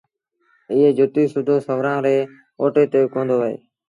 ائيٚݩ جُتيٚ سُڌو سُورآݩ ري اوٽي تي ڪونديٚ هلي